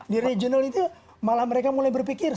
di regional itu malah mereka mulai berpikir